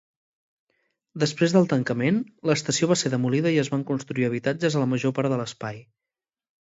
Després del tancament, l'estació va ser demolida i es van construir habitatges a la major part de l'espai.